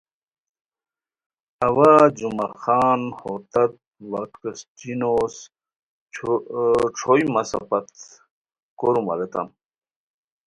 اوا جمعہ خان ہو تت وا کرسٹینوس ݯھوئے مسہ پت کوروم اریتام